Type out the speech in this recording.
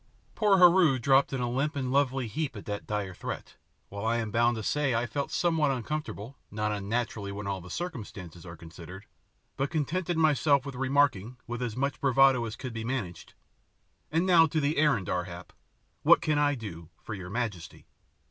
Poor Heru dropped in a limp and lovely heap at that dire threat, while I am bound to say I felt somewhat uncomfortable, not unnaturally when all the circumstances are considered, but contented myself with remarking, with as much bravado as could be managed, "And now to the errand, Ar hap. What can I do for your majesty?"